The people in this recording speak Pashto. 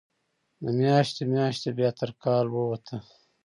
د میاشتو، میاشتو بیا تر کال ووته